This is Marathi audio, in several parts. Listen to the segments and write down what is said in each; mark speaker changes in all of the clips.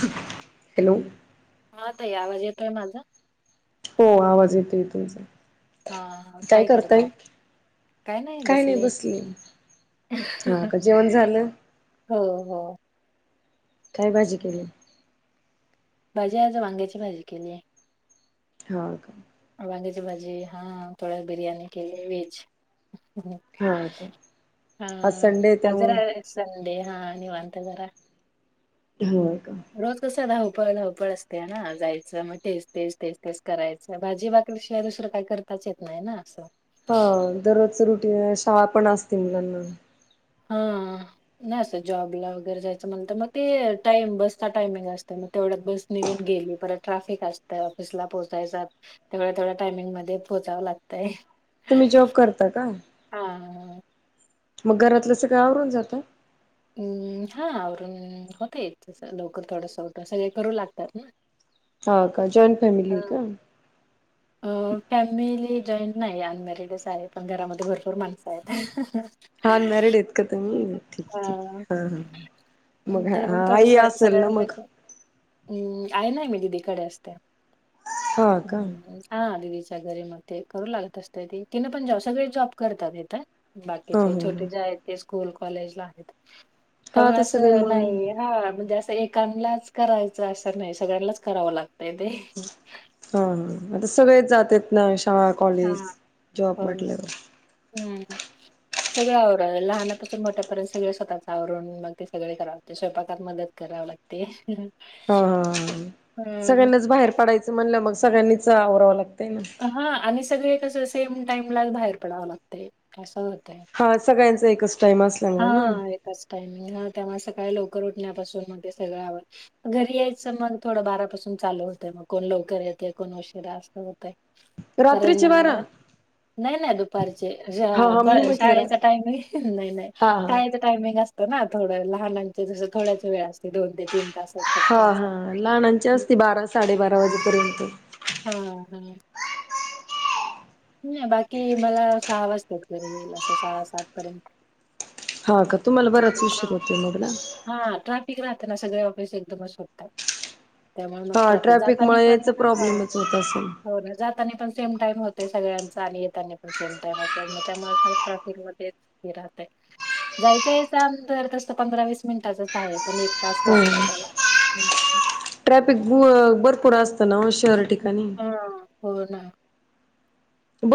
Speaker 1: हॅलो
Speaker 2: हा ताई आवाज येतोय माझा.
Speaker 1: हो आवाज येतोय तुमचा.
Speaker 2: हा काय करताय.
Speaker 1: काय नाही बसली. हा का. जेवण झालं.
Speaker 2: हो हो.
Speaker 1: काय भाजी केली.
Speaker 2: भाजी आज वांग्याची भाजी केली आहे.
Speaker 1: हा का.
Speaker 2: वांगेची भाजी, हा थोडी बिर्याणी केली आहे व्हेज.
Speaker 1: हा का
Speaker 2: हा
Speaker 1: आज संडे आहे
Speaker 2: आज जरा
Speaker 1: त्यामुळं
Speaker 2: संडे हा निवांत जरा
Speaker 1: होय.
Speaker 2: रोज कसं धावपळ धावपळ असते ना. जायचं मग तेच तेच तेच तेच करायचं. भाजी भाकरी शिवाय दुसरं काय करता करताच येत नाही ना असं.
Speaker 1: हो दररोजच रुटीन, शाळा पण असते यांना.
Speaker 2: हा नाही अस जॉबला वगैरे जायचं म्हणत मग ते टाईम बसचा टायमिंग असतो. मग तेवढ्यात बस निघून गेली परत ट्राफिक असत. ऑफिसला पोहोचायच. तेवढ्या तेवढ्या टाइमिंग मध्ये पोहोचावं लागतय.
Speaker 1: तुम्ही जॉब करता का?
Speaker 2: हा
Speaker 1: मग घरातलं सगळं आवरून जाता.
Speaker 2: हम्म हा आवरून होतय तस लवकर थोडस ऊठुन. सगळे करू लागतात. [unintelligible]
Speaker 1: हा का जॉइंट फॅमिली
Speaker 2: हा
Speaker 1: आहे का?
Speaker 2: अ फॅमिली जॉईंट नाही अन मॅरीडच आहे. पण घरामध्ये भरपूर माणसं आहेत.
Speaker 1: हा अन मॅरीड आहेत का तुम्ही? ठीक आहे. ठीक आहे. हा हा
Speaker 2: हम्म,
Speaker 1: मग हा
Speaker 2: तरी पण
Speaker 1: आ
Speaker 2: थोडस
Speaker 1: आई असेल ना
Speaker 2: सगळ्यांना
Speaker 1: मग.
Speaker 2: हम्म आई नाही मी दिदीकडे असते.
Speaker 1: हा का
Speaker 2: हा दिदी. च्या घरी म ते करू लागत असते ती. तिनं पण जाॅब सगळे जॉब करतात इथे. बाकीचे
Speaker 1: हा हा
Speaker 2: छोटे जे आहेत ते स्कूल कॉलेजला आहेत.
Speaker 1: हा
Speaker 2: त्यामुळे
Speaker 1: आता सगळे
Speaker 2: असं
Speaker 1: मुळ
Speaker 2: नाही हा म्हणजे असं ऐकालांच करायचं असं नाही. सगळ्यांनाच करावं लागतंय ते.
Speaker 1: ह आता सगळेचं जातेत ना. शाळा, कॉलेज,
Speaker 2: हा
Speaker 1: जॉब
Speaker 2: हो ना
Speaker 1: म्हटल्यावर.
Speaker 2: हम्म सगळं आवर लहानापासून मोठ्यापर्यंत सगळे स्वतःच आवरून मग ते सगळे करावं स्वयंपाकत मदत करा लागते.
Speaker 1: हा हा
Speaker 2: हम्म
Speaker 1: सगळ्यांनाच बाहेर पडायचं म्हणलं मग सगळ्यांनीच आवरावं लागत.
Speaker 2: हा आणि सगळे कस सेम टाइमला बाहेर पडावं लागतेयं.
Speaker 1: हा सगळ्यांच एकच. टाइम
Speaker 2: हा
Speaker 1: असल्यामुळे ना
Speaker 2: एकच टायमिंग ह त्या. लवकर उठण्यापासून सगळे आवर घरी यायच मग बारा पासून चालू होतं कोण लो लवकर येते कोण उशिरा असं होत.
Speaker 1: रात्रीचे बारा
Speaker 2: नाही नाही दुपारचे
Speaker 1: हा हा मी म्हटले रा
Speaker 2: शाळेचा टाइम आहे नाही नाही
Speaker 1: हा हा
Speaker 2: खायचं. टायमिंग असतं ना थोडं लहानांच जस थोड्याच वेळ असते दोन ते तीन तासच
Speaker 1: हा
Speaker 2: फक्त असं.
Speaker 1: हा लहानची असते बारा साडेबारा वाजेपर्यंत
Speaker 2: हा हा नाही बाकी मला सहा वाजतात घरी येईल असं सहा सात पर्यंत
Speaker 1: हा का तुम्हाला
Speaker 2: अच्छा.
Speaker 1: बराच उशीर होते मग ना
Speaker 2: हा ट्राफिक राहते सगळे ऑफिस एकदमच सुटतायत. त्यामुळे मग
Speaker 1: हा
Speaker 2: ट्राफिक जातानी
Speaker 1: ट्रॅफिकमुळे
Speaker 2: पण
Speaker 1: याचा प्रॉब्लेमच होत असेल
Speaker 2: हो ना जातानी पण सेम टाइम होत. ते सगळ्यांच आणि येतानी पण सेम टाइम मग त्यामुळे सगळ ट्राफिक मध्येच राहतय. जायचंय यायचं अंतर तर तस पंधरा, वीस मिनिटाचच आहे पण एक तास
Speaker 1: हो
Speaker 2: लागतो त्याला.
Speaker 1: ट्रॅफिक मुळ भरपूर असत ना हो
Speaker 2: [unintelligible]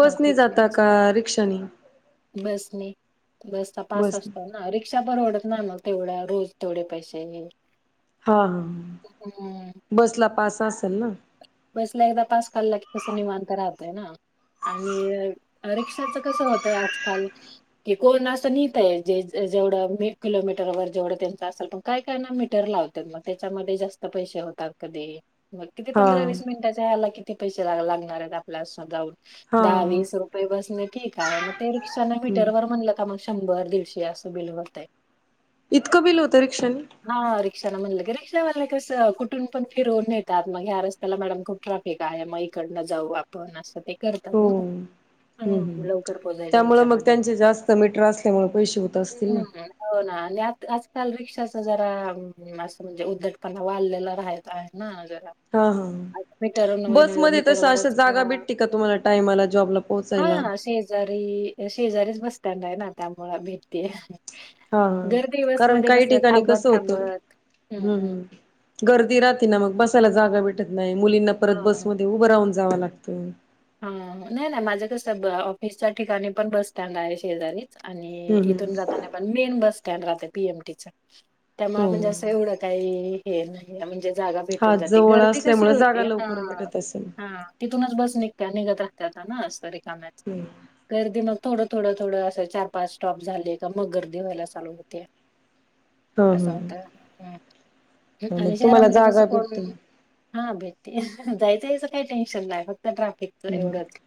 Speaker 1: बसनी
Speaker 2: लय
Speaker 1: जाता का
Speaker 2: असतय
Speaker 1: रिक्षानी?
Speaker 2: बसने बसचा पास
Speaker 1: बस
Speaker 2: असतो ना रिक्षा परवडत नाही मग. येवढा रोज तेवढे पैसे हे
Speaker 1: हा हा
Speaker 2: हम्म
Speaker 1: बस ला पास असेल ना?
Speaker 2: बसला एकदा पास काढला की कसं न निवांत राहतय ना. आणि रिक्षाच कस होतय आजकाल की कोण असं निट आहे जे जेवढं दीड किलोमीटर वर जेवढं त्यांचं असेल पण काय काय ना मीटर लावताआ मग त्याच्यामध्ये जास्त पैसे कधी म किती
Speaker 1: हा
Speaker 2: पंधरा, वीस मिनिटच्या याला किती पैसे लागणार आहेत आपल्या
Speaker 1: हा
Speaker 2: दहा, वीस रुपये बसणे ठीक आहे मग ते रिक्षाने
Speaker 1: हम्म
Speaker 2: मीटरवर म्हणलं का मग शं शंभर दीडशे असं बिल होतंय.
Speaker 1: इतकं बिल होतं रिक्षानी?
Speaker 2: चल म्हणलं की रिक्षावाले कसं कुठून पण फिरवून नेतात मग ह्या रस्ता त्याला मॅडम खूप ट्रॅफिक आहे मग इकडन जाऊ आपण असं ते करतात ना.
Speaker 1: हम
Speaker 2: हं,
Speaker 1: हम्
Speaker 2: लवकर पोहोचायच्या
Speaker 1: त्यामुंळे मग
Speaker 2: ह्याच्यामध्ये
Speaker 1: त्यांचे जास्त मीटर असल्यामुळे पैसे होत असतील ना.
Speaker 2: हम्म हो ना आणि आजकाल रिक्शा असं जरा म्हणजे उद्धटपणा वाढलेला राहत आहे ना जरा
Speaker 1: हं.
Speaker 2: मीटर
Speaker 1: बसमध्ये तस अशा
Speaker 2: मीटरवरच
Speaker 1: जागा
Speaker 2: किंवा
Speaker 1: भेटते का, तुम्हाला टाइमला जॉबला पोहोचायला?
Speaker 2: हा शेजारी शेजारीच बस स्टँड आहे ना, त्यामुळ भेटते.
Speaker 1: हा,
Speaker 2: गर्दी
Speaker 1: कारण
Speaker 2: बसमध्ये
Speaker 1: काही
Speaker 2: कसं
Speaker 1: ठिकाणी
Speaker 2: थांबत
Speaker 1: कसं होतं
Speaker 2: थांबत
Speaker 1: हम्म. गर्दी राहते ना मग, बसायला जागा भेटत नाही, मुलींना परत
Speaker 2: हा
Speaker 1: बसमध्ये उभं राहून जावं लागतं.
Speaker 2: हा नाही ना माझं कस ऑफिसच्या ठिकाणी पण बस स्टँड आहे शेजारी. आणि
Speaker 1: हम्म
Speaker 2: इथून
Speaker 1: हम्म
Speaker 2: जाताना पण मेन बस स्टँड राहते पी. ए. मटीच. त्यामुळे म्हणजे असं
Speaker 1: हो
Speaker 2: एवढं काही हे नाही म्हणजे जागा
Speaker 1: हा
Speaker 2: भेटून जाते,
Speaker 1: जवळ
Speaker 2: गर्दी कशी
Speaker 1: असल्यामुळे जागा
Speaker 2: होती हा
Speaker 1: लवकर भेटत असेल.
Speaker 2: हा तिथूनच बस निघ निघतं राहात्यात ना रिकाम्याच,
Speaker 1: हा
Speaker 2: गर्दी मग नव्ह थोडं-थोडं-थोडं असं चार-पाच स्टॉप झाले, का मग गर्दी व्हायला चालू होते. असं होत,
Speaker 1: हा मग
Speaker 2: आणि
Speaker 1: तुम्हाला
Speaker 2: शहरामध्ये कसं
Speaker 1: जागा
Speaker 2: कोण
Speaker 1: भेटते.
Speaker 2: हा भेटती जायचंयाचं काय टेन्शन नाही, फक्त ट्राफिकच एवढंच.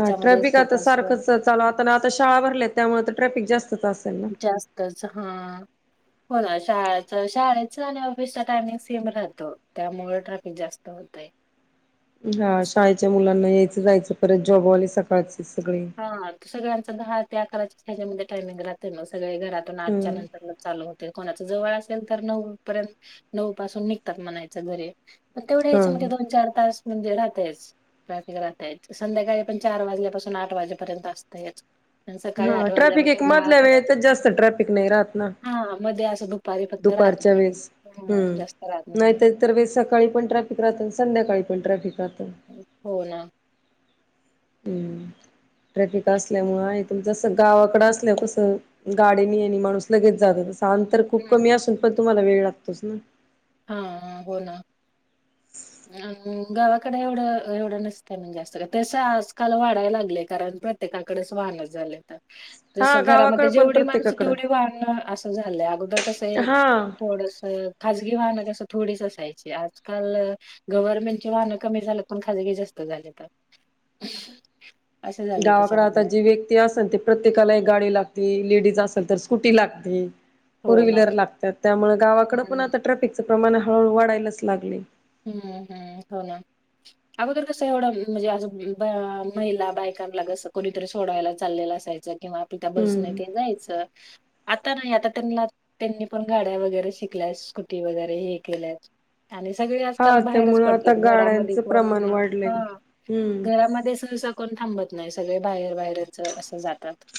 Speaker 1: हा ट्रॅफिक
Speaker 2: खूप
Speaker 1: आता
Speaker 2: असं
Speaker 1: सारखंच चालू आता-आता शाळा भरल्यात त्यामुळे तर ट्रॅफिक जास्तच असत.
Speaker 2: जास्तच हा. शाळाच-शाळेचा आणि ऑफिसचा टायमिंग सेम राहतो. त्यामुळे ट्रॅफिक जास्त होतय.
Speaker 1: हा शाळेच्या मुलांना यायचं-जायचं परत जॉबवाले सकाळच
Speaker 2: हा सगळ्यांच दहा ते अकरा त्याच्यामध्ये टाइमिंग राहत मग. सगळे घरातून
Speaker 1: हम्म.
Speaker 2: आठच्यानंतर ना चालू होत. कोणाच जवळ असेल तर नऊ पर्यंत, नऊ पासून निघतात म्हणायच घरी. तेवढ्या
Speaker 1: हा
Speaker 2: यायचं म्हगजे दोन चार-तास म्हणजे राहातयच, ट्रॅफिक राहताय संध्याकाळी आपण चार वाजल्यापासून. आठ वाजेपर्यंत असतयच. आणि सकाळी
Speaker 1: हा
Speaker 2: आठ
Speaker 1: ट्रॅफिक एक
Speaker 2: वाजल्यापासून दहा
Speaker 1: मधल्या वेळेत
Speaker 2: पर्यंत असतं.
Speaker 1: जास्त ट्रॅफिक नाही राहत ना.
Speaker 2: हा मध्ये असं दुपारी फक्त राहत नाही. हम्म
Speaker 1: हम्
Speaker 2: जास्त राहत नाही
Speaker 1: नाहीतर तर इतरवेळी सकाळी पण ट्रॅफिक राहत, संध्याकाळी पण ट्रॅफिक राहत.
Speaker 2: हो ना.
Speaker 1: हम्म ट्रॅफिक असल्यामुळे ऐकु जात नसलं. गावाकडं असल्याव कसं, गाडी नाही आहे आणि माणूस लगेच जात. अंतर खूप
Speaker 2: हम्म.
Speaker 1: कमी असून पण तुम्हाला वेळ लागतोच ना.
Speaker 2: हा हो ना.
Speaker 1: [unintelligible]
Speaker 2: गावाकडे एवढं एवढं नसतं मग जास्त, तस आजकाल वाढायला लागले कारण प्रत्येक एका कडेच वाहनं झालेत. जस
Speaker 1: हा
Speaker 2: घरामध्ये
Speaker 1: गावाकडं पण
Speaker 2: जेवढी माणसं
Speaker 1: प्रत्येकाकडं
Speaker 2: तेवढी वाहणनं असं झालंय अगोदर कसं
Speaker 1: हा.
Speaker 2: थोडसं खाज कसं थोडीच असायची, आजकाल गव्हर्नमेंटची वाहनं कमी झालेत पण खाजगी जास्त झालीत आता.
Speaker 1: गावाकडे आता
Speaker 2: त्याच्यामध्ये
Speaker 1: जी व्यक्ती असेल ते प्रत्येकाला एक गाडी लागते लेडीज असल तर स्कूटि लागते, फोर
Speaker 2: हो ना
Speaker 1: व्हिलर लागत्यात, त्यामुळ गावकड पण
Speaker 2: हम्म
Speaker 1: आता ट्रॅफिकच प्रमाण हळूहळू वाढायलाच लागले.
Speaker 2: हम्म, हम्म हो ना. अगोदर कस एवढं म्हणजे आसं महिला, बायकांला, कसं कोणीतरी सोडायला चाललेलं असायचं. किंवा आपिता बसने
Speaker 1: हम्म
Speaker 2: तेन जायचं. आता नाही, आता त्यांनाला त्यांनी पण गाड्या वगैरे शिकल्या स्कुटी वगैरे हे केल्या. आणि सगळे आजकाल
Speaker 1: हा
Speaker 2: बाहेरच
Speaker 1: त्यामुळं आता
Speaker 2: पडतात, घरामध्ये
Speaker 1: गाड्यांचं
Speaker 2: कोण
Speaker 1: प्रमाण वाढलंय.
Speaker 2: ह
Speaker 1: हम्म
Speaker 2: घरामध्ये सहसा कोण थांबत नाही. नाही सगळे बाहेर बाहेरच अस जातात,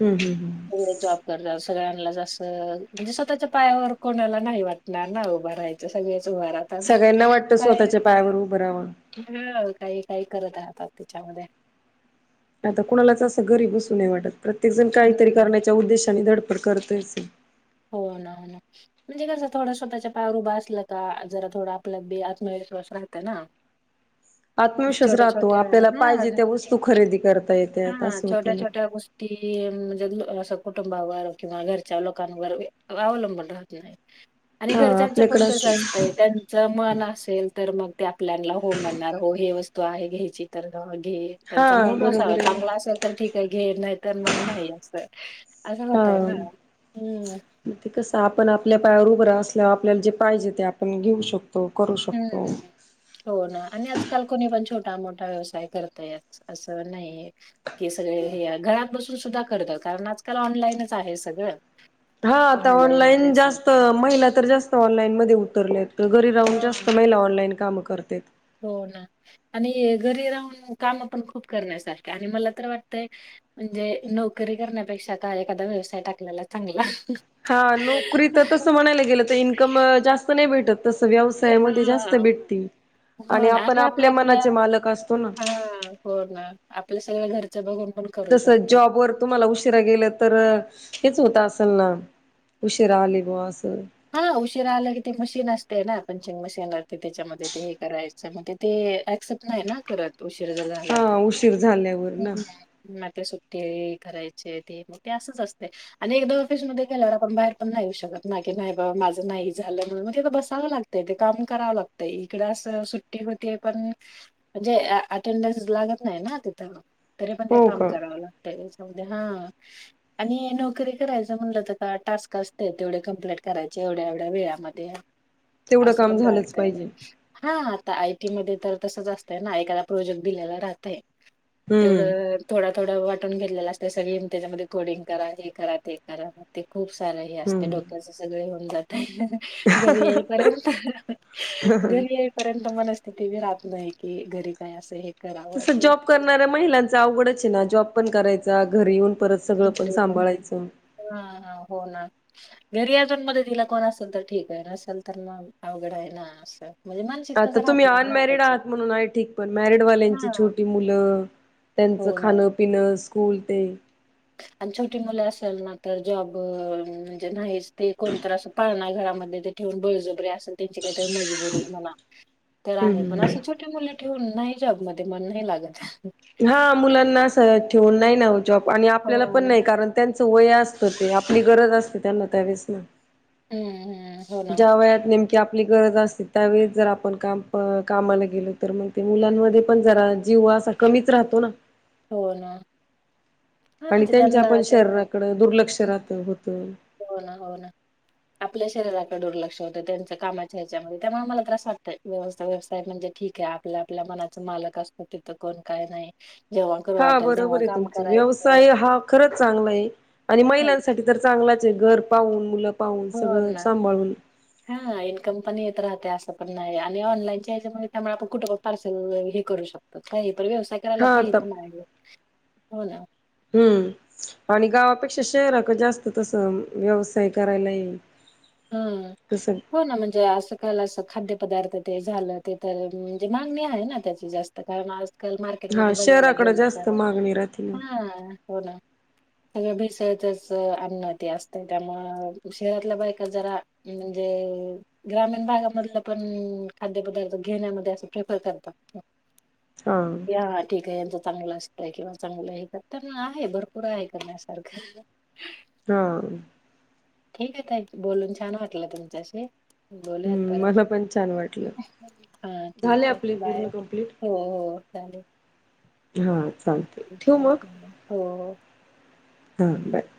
Speaker 1: हम्म हम्म हम्म
Speaker 2: जॉब करतात. सगळ्यालाच असं, म्हणजे स्वतःच्या पायावर कोणाला नाही वाटणार ना, उभं राहायच सगळच उभा
Speaker 1: सगळ्यांना वाटतं स्वतःच्या पायावर उभं राहावं.
Speaker 2: काही-काही करत आहात त्याच्यामध्ये.
Speaker 1: आता कुणालाच असं घरी बसू नाही वाटत. प्रत्येक जण काहीतरी
Speaker 2: हम्म
Speaker 1: करण्याच्या उद्देशाने धडपड पड करतायचं की.
Speaker 2: हो ना, हो ना, म्हणजे कसं थोडा स्वतःच्या पायावर उभा असला का जरा थोडं आपलं बेज विश्वास राहते ना.
Speaker 1: [inaudible] आत्मविश्वास
Speaker 2: छोट्या
Speaker 1: राहतो.
Speaker 2: छोट्या
Speaker 1: आपल्याला
Speaker 2: हा
Speaker 1: पाहिजे
Speaker 2: ज-
Speaker 1: त्या वस्तू खरेदी करता येते असं होतं ना.
Speaker 2: ह म्हणजे असं कुटुंबावर किंवा घरच्या लोकांवर अवलंबून राहत नाही. आणि
Speaker 1: हा
Speaker 2: घरच्यांच
Speaker 1: आपल्याकडे
Speaker 2: पण कस
Speaker 1: असेल
Speaker 2: असतय, त्यांच मन असेल तर मग ते आपल्याला हो म्हणणार, हो हे वस्तू आहे घ्यायची तर घे त्यांचा
Speaker 1: हा
Speaker 2: मूड नुसार
Speaker 1: बरोबर आहे
Speaker 2: चांगला असेल तर ठीक आहे, घे नाही तर मगं नाही अस अस होत. होतय
Speaker 1: हा.
Speaker 2: ना. हम्म
Speaker 1: ते कस आपण आपल्या पायावर उभरा असल्यावर आपल्याला जे पाहिजे ते आपण घेऊ शकतो. करू शकतो.
Speaker 2: हम्म! हो ना, आणि आजकाल कोणी पण छोट छोटा-मोठा व्यवसाय करतायच, असं नाही की सगळे हे घरात बसून सुद्धा करतात. कारण आजकाल ऑनलाईनच आहे सगळं.
Speaker 1: हा आता
Speaker 2: मध्ये
Speaker 1: ऑनलाईन जास्त,
Speaker 2: चालते.
Speaker 1: महिला तर जास्त ऑनलाईन मध्ये उतरलेत. तर घरी राहून
Speaker 2: हा
Speaker 1: जास्त महिला ऑनलाईन कामं करतेत.
Speaker 2: हो ना, आणि घरी राहून काम पण खूप करण्यासारखे आणि मला तर वाटतंय. म्हणजे नोकरी करण्यापेक्षा का एखादा व्यवसाय टाकलेला चांगला.
Speaker 1: हा नोकरीत, तस म्हणायला गेलं तर इन्कम जास्त नाही भेटत. तस व्यवसायामध्ये जास्त
Speaker 2: हा
Speaker 1: भेटते.
Speaker 2: हो ना, आणि आपल्या आपल्या
Speaker 1: असतो ना
Speaker 2: हा. हो! ना आपल्या सगळ घरचं बघून. पण करू
Speaker 1: तस
Speaker 2: शकतो.
Speaker 1: जॉबवर तुम्हाला उशिरा गेलं तर हेच होत असल ना उशिरा आले बुवाअसं?
Speaker 2: हा उशिरा आला कि ते मशीन असते ना, पंचिंग मशीन असते, त्याच्यामध्ये ते हे करायचं म्हणज ते ते असेप्ट नाही ना करत उशीर झाला तर.
Speaker 1: हा उशीर झाल्यावर ना
Speaker 2: सुट्टी करायचे ते ते असंच असते. आणि एकदा ऑफिस मध्ये गेल्यावर आपण बाहेर पण येऊ नाही शकत ना. नाही बा माझं नाही झालं म्हणून, मगं बसावं लागतय ते काम करावं लागतय इकड सुट्टी होती पण म्हणजे अटेंडन्स लागत नाही ना तिथं. तरी पण ते
Speaker 1: हो
Speaker 2: काम
Speaker 1: का
Speaker 2: करावं लागत. हा आणि नोकरी करायच म्हटलं तर का टास्क असते. तेवढे कंप्लीट करायच्या एवढ्या-एवढ्या वेळामध्ये
Speaker 1: तेवढं
Speaker 2: असं
Speaker 1: काम
Speaker 2: पण
Speaker 1: झालंच
Speaker 2: राहतय.
Speaker 1: पाहिजे
Speaker 2: हा. आय. टी मध्ये तर तसंच असतय ना, ऐकायला प्रोजेक्ट दिलेला राहतय
Speaker 1: हम्म
Speaker 2: तेवढं थोड थोडं वाटून घेतलेलं असत, सगळी त्याच्यामध्ये कोडिंग करा हे करा ते करा ते. खूप सारं हे असते
Speaker 1: हम्म
Speaker 2: डोक्याचं सगळे होऊन जातय. घरी येईपर्यंत, घरी येईपर्यंत मन स्थिती बी राहत नाही, की घरी काय असं हे करावं
Speaker 1: तसं
Speaker 2: ते
Speaker 1: जॉब
Speaker 2: करावं.
Speaker 1: करणाऱ्या महिलांच आवघडच आहे ना, जॉब पण करायचा घरी येऊन परत सगळं पण सांभाळायचं
Speaker 2: हा, हा, हो ना. घरी अजून मध्ये तिला कोण असेल तर ठीक आहे, नसेल तर म अवघड आहे ना असं. म्हणजे मानसिकताच
Speaker 1: आता
Speaker 2: राहत
Speaker 1: तुम्ही
Speaker 2: नाही ना
Speaker 1: अनमॅरिड
Speaker 2: त्याची
Speaker 1: आहात म्हणून आहे ठीक. पण मॅरिडवाल्यांची
Speaker 2: हा
Speaker 1: छोटी मुलं त्यांचं
Speaker 2: हो ना
Speaker 1: खाणं पिणं स्कूल ते
Speaker 2: आणि छोटी मुलं असेल ना, तर जॉब म्हणजे नाहीच ते कोणत असं पाळणार घरामध्ये ते ठेवून बळजबरी असेल त्यांची काहीतरी मजबुरी म्हणा. तर आहे पण, असे
Speaker 1: हम्म
Speaker 2: छोटे मुले ठेवून नाही जॉबमध्ये मन नाही लागत.
Speaker 1: हा मुलांना अस ठेवून नाही ना जॉब. आणि आपल्याला
Speaker 2: हो
Speaker 1: पण
Speaker 2: ना.
Speaker 1: नाही कारण त्यां वय असत ते आपली गरज असते त्यांना, त्यावेळेस ना.
Speaker 2: हम्म हम्म हो ना.
Speaker 1: ज्या वयात नेम की आपली गरज असते, त्यावेळीच जर आपण काम कामाला गेलो तर मग ते
Speaker 2: हम्म.
Speaker 1: मुलांमध्ये पण जरा जीव असा कमीच राहतो ना
Speaker 2: हो ना हां
Speaker 1: आणि
Speaker 2: म्हणजे
Speaker 1: त्यांच्या
Speaker 2: त्यांना
Speaker 1: आपण
Speaker 2: ते
Speaker 1: शरीराकडें दुर्लक्ष राहत होतं.
Speaker 2: हो ना हो ना आपल्या शरीरात दुर्लक्ष होत त्यांच्या कामाच्या ह्याच्यामध्ये त्यामुळे मला त्रास वाटत व्यवस्थित व्यवस्थित आहे म्हणजे ठीक आहे आपल्या मलाच मालक असतो, तिथ कोण काय नाही जेव्हा करू
Speaker 1: हा
Speaker 2: वाटेल तेव्हा
Speaker 1: बरोबर आहे
Speaker 2: काम
Speaker 1: तुमच,
Speaker 2: करायचं.
Speaker 1: व्यवसाय हा खरंच चांगला आहे, आणि
Speaker 2: हां
Speaker 1: महिलांसाठी तर चांगला ते घर पाहून मुल
Speaker 2: हो ना हा इनकम पण येत राहत. असं पण नाही, आणि ऑनलाईनच्या याच्यामुळे त्यामुळे आपण कुठं पार्सल हे करू शकतो काही आपल्याला व्यवसाय करायला
Speaker 1: हा
Speaker 2: काय
Speaker 1: आता
Speaker 2: येत म्हणायले हो ना
Speaker 1: हम्म आणि गावापेक्षा शहराकड जास्त तसं, व्यवसाय करायला येईल.
Speaker 2: हा.
Speaker 1: तसं
Speaker 2: हो ना, म्हणजे असं आज-काल असं खाद्य पदार्थ ते झालं ते तर, म्हणजे मागणी आहे ना त्याची जास्त कारण आज काल मार्केट
Speaker 1: हा
Speaker 2: मध्ये बघायला
Speaker 1: शहराकडे
Speaker 2: गेल
Speaker 1: जास्त
Speaker 2: तर
Speaker 1: मागणी राहते ना
Speaker 2: हा हो ना सगळ भेडसळच च अन्न ते असत, त्यामुळ शहरातला बायका जरा म्हणजे ग्रामीण भागामध्ये पण खाद्य पदार्थ घेण्यामध्ये अस [inaudible] की
Speaker 1: हा
Speaker 2: हा ठीक आहे. चांगलं असतय किंवा चांगलं हे करताना आहे भरपूर आहे करण्यासारखं
Speaker 1: हा
Speaker 2: ठीक आहे ताई बोलून छान वाटलं तुमच्याशी बोलू यात
Speaker 1: हम्म
Speaker 2: परत,
Speaker 1: मला पण छान वाटलं
Speaker 2: हा
Speaker 1: झाले
Speaker 2: ठीक आहे,
Speaker 1: आपले
Speaker 2: बाय
Speaker 1: पूर्ण कंप्लीट
Speaker 2: हो, हो. चालेल.
Speaker 1: हा चालते. ठेवू मग?
Speaker 2: हो हो.
Speaker 1: हा बाय.